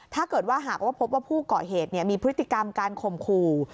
ถ้าเกิดว่าหากว่าพบว่าผู้ก่อเหตุมีพฤติกรรมการข่มขู่